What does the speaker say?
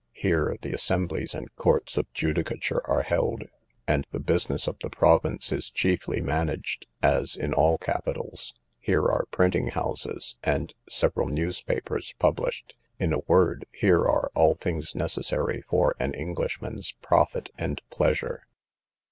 Here the assemblies and courts of judicature are held, and the business of the province is chiefly managed, as in all capitals. Here are printing houses, and several newspapers published. In a word, here are all things necessary for an Englishman's profit and pleasure.